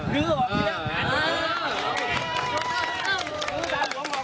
รื้อหอกเรียก